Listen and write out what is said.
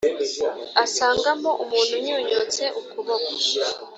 asangamo umuntu unyunyutse ukuboko